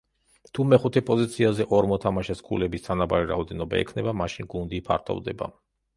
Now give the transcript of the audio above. თუ მეხუთე პოზიციაზე ორ მოთამაშეს ქულების თანაბარი რაოდენობა ექნება მაშინ გუნდი ფართოვდება.